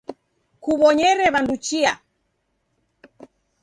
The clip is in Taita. Kuw'onyere w'andu chia.